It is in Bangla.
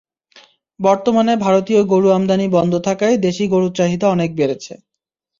বর্তমানে ভারতীয় গরু আমদানি বন্ধ থাকায় দেশি গরুর চাহিদা অনেক বেড়েছে।